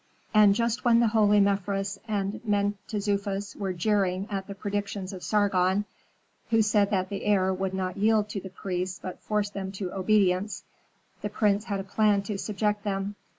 And just when the holy Mefres and Mentezufis were jeering at the predictions of Sargon, who said that the heir would not yield to the priests but force them to obedience, the prince had a plan to subject them.